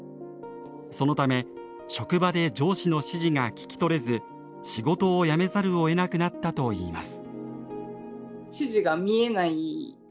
そのため職場で上司の指示が聞き取れず仕事を辞めざるをえなくなったといいます。